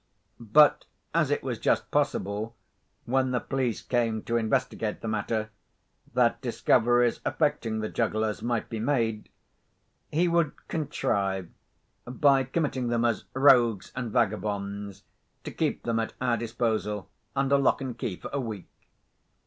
But, as it was just possible, when the police came to investigate the matter, that discoveries affecting the jugglers might be made, he would contrive, by committing them as rogues and vagabonds, to keep them at our disposal, under lock and key, for a week.